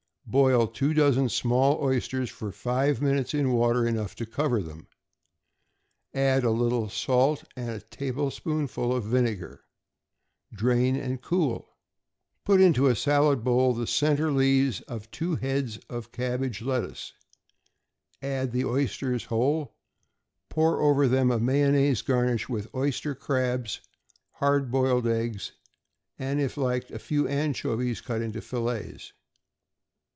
= Boil two dozen small oysters for five minutes in water enough to cover them; add a little salt and a tablespoonful of vinegar; drain and cool. Put into a salad bowl the centre leaves of two heads of cabbage lettuce, add the oysters whole, pour over them a mayonnaise; garnish with oyster crabs, hard boiled eggs, and, if liked, a few anchovies cut into fillets.